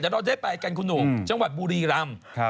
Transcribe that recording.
เดาะได้ไปกันคุณหนูจังหวัดบุรีรำ